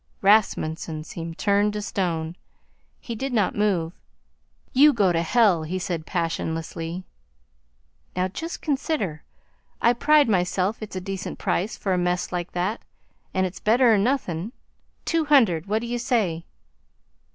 Rasmunsen seemed turned to stone. He did not move. "You go to hell," he said passionlessly. "Now just consider. I pride myself it's a decent price for a mess like that, and it's better 'n nothin'. Two hundred. What you say?"